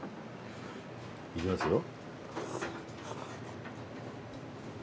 いきますよ。